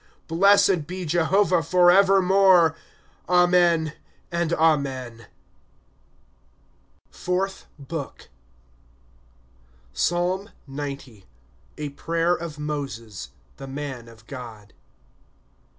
Blessed be Jehovah forevermore. Amen and Amen. ./Google FOURTH BOOK. PSALM XC. A Prayer of Moaes, the Man of God.